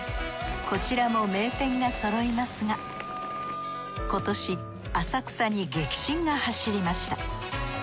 こちらも名店がそろいますが今年浅草に激震が走りました。